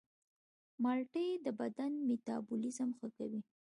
مالټې د بدن میتابولیزم ښه کوي.